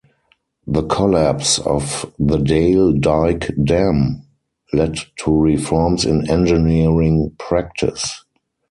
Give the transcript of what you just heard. The collapse of the Dale Dyke Dam led to reforms in engineering practice.